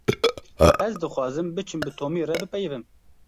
Ez dixwazim biçim bi Tomî re bipeyivim.